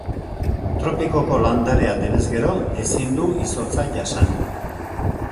Tropikoko landarea denez gero, ezin du izotza jasan.